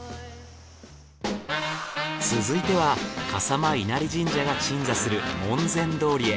続いては笠間稲荷神社が鎮座する門前通りへ。